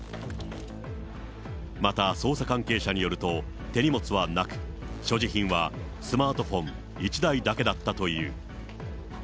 また、捜査関係者によると、手荷物はなく、所持品はスマートフォン１台だけだったという。